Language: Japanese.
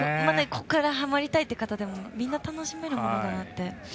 ここから、はまりたいって方でもみんな楽しめるものだなって。